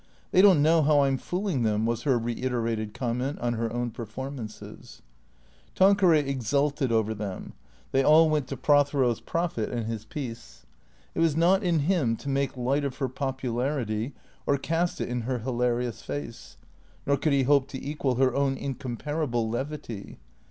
" They don't know how I 'm fooling them," was her reiterated comment on her own performances. Tanqueray exulted over them. They all went to Prothero's profit and his peace. It was not in him to make light of her popularity, or cast ij; in her hilarious face. Nor could he hope to equal her own incomparable levity.